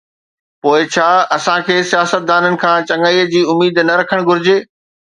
پوءِ ڇا اسان کي سياستدانن کان چڱائيءَ جي اميد نه رکڻ گھرجي؟